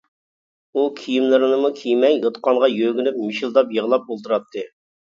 ئۇ كىيىملىرىنىمۇ كىيمەي، يوتقانغا يۆگىنىپ مىشىلداپ يىغلاپ ئولتۇراتتى.